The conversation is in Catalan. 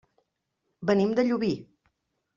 Venim de Llubí.